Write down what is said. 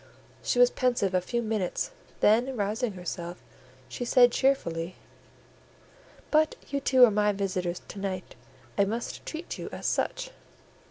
She was pensive a few minutes, then rousing herself, she said cheerfully— "But you two are my visitors to night; I must treat you as such."